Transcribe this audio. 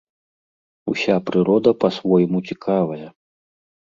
Уся прырода па-свойму цікавая.